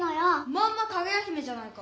まんま「かぐや姫」じゃないか。